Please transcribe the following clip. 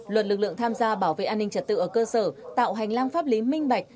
luật lực lượng tham gia bảo vệ an ninh trật tự ở cơ sở tạo hành lang pháp lý minh bạch